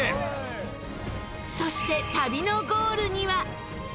そして旅のゴールには。